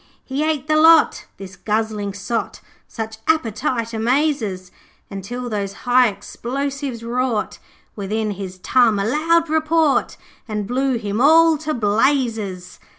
'He ate the lot, this guzzling sot Such appetite amazes Until those high explosives wrought Within his tum a loud report, And blew him all to blazes.